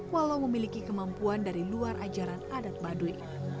walau memiliki kemampuan dari luar ajaran adat baduy